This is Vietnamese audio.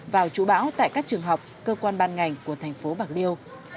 vào chủ bão tại các trường học cơ quan ban ngành của thành phố bạc liêu